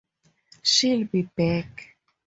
She'll be back.